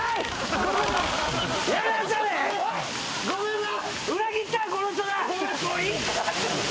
ごめんな！